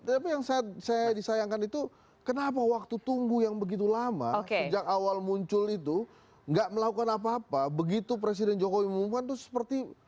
tapi yang saya disayangkan itu kenapa waktu tunggu yang begitu lama sejak awal muncul itu nggak melakukan apa apa begitu presiden jokowi mengumumkan itu seperti